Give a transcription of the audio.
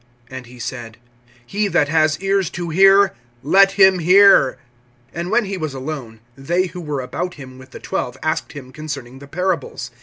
(9)And he said: He that has ears to hear, let him hear. (10)And when he was alone, they who were about him with the twelve asked him concerning the parables.